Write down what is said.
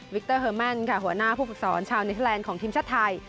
เตอร์เฮอร์แมนค่ะหัวหน้าผู้ฝึกสอนชาวเนเทอร์แลนด์ของทีมชาติไทย